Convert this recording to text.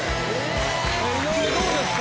井上どうですか？